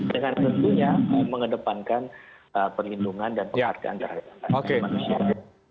dengan tentunya mengedepankan perlindungan dan penghargaan terhadap manusia